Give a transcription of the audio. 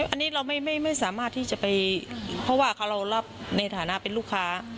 อันนี้เราไม่สามารถที่จะไปเพราะว่าเรารับในฐานะเป็นลูกค้า